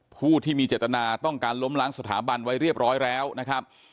ผู้ที่มีเจตนาต้องการล้มล้างสถาบันไว้เรียบร้อยแล้วนะครับ